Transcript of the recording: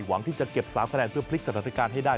หวังที่จะเก็บ๓คะแนนเพื่อพลิกสถานการณ์ให้ได้